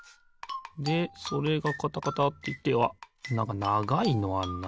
でそれがカタカタっていってあっなんかながいのあんな。